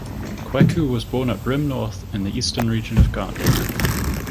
Kweku was born at Brim North in the Eastern Region of Ghana.